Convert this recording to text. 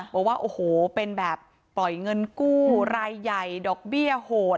บอกว่าโอ้โหเป็นแบบปล่อยเงินกู้รายใหญ่ดอกเบี้ยโหด